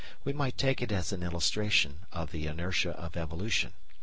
We might take it as an illustration of the inertia of evolution.